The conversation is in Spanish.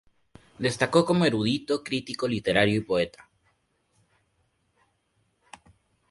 Destacó como erudito, crítico literario y poeta.